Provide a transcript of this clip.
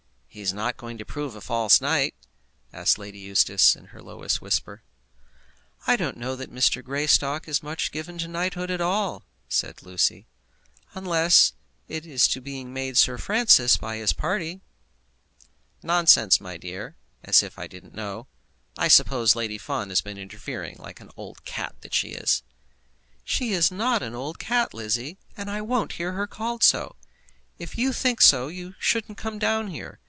"He is not going to prove a false knight?" asked Lady Eustace, in her lowest whisper. "I don't know that Mr. Greystock is much given to knighthood at all," said Lucy, "unless it is to being made Sir Francis by his party." "Nonsense, my dear; as if I didn't know. I suppose Lady Fawn has been interfering like an old cat as she is." "She is not an old cat, Lizzie! and I won't hear her called so. If you think so, you shouldn't come here.